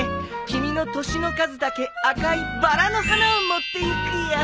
君の年の数だけ赤いバラの花を持っていくよ。